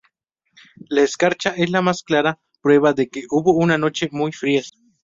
La escarcha es la más clara prueba de que hubo una noche muy frías.